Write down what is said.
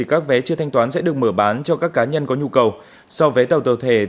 các vé chưa thanh toán sẽ được mở bán cho các cá nhân có nhu cầu sau vé tàu tàu